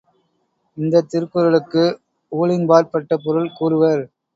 இந்தத் திருக்குறளுக்கு ஊழின்பாற் பட்ட பொருள் கூறுவர்.